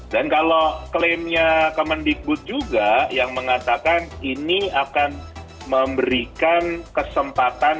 dan kalau klaimnya kemendikbud juga yang mengatakan ini akan memberikan kesempatan